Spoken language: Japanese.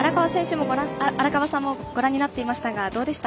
荒川さんもご覧になっていましたがどうでした？